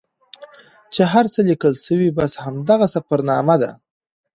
چې هر څه لیکل سوي بس همدغه سفرنامه ده.